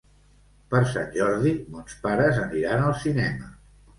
Per Sant Jordi mons pares aniran al cinema.